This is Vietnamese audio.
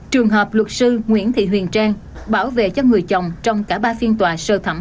trường hợp luật sư nguyễn thị huyền trang bảo vệ cho người chồng trong cả ba phiên tòa sơ thẩm